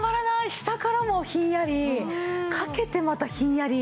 下からもひんやりかけてまたひんやり。